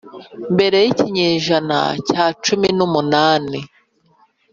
mbere yikinyejana cya cumi nu munani